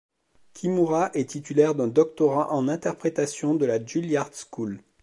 Kimura est titulaire d'un doctorat en interprétation de la Juilliard School.